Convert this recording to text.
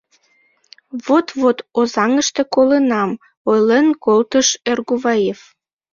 — Вот-вот, Озаҥыште колынам, — ойлен колтыш Эргуваев.